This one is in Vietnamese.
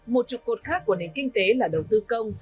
một trục cột khác của nền kinh tế là đầu tư công